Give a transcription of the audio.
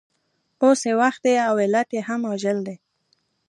اوس یې وخت دی او علت یې هم عاجل دی